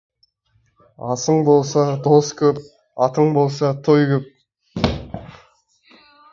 Асың болса, дос көп, атың болса, той көп.